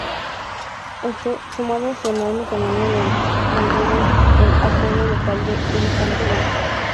Esto, sumado a su enorme tamaño le valieron el apodo local de "elefante blanco".